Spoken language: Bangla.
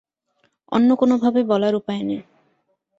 অন্য কোনোভাবে বলার উপায় নেই।